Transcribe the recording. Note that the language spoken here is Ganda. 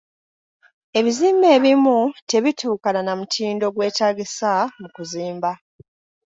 Ebizimbe ebimu tebituukana na mutindo gwetaagisa mu kuzimba.